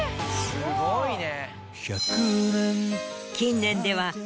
すごいね。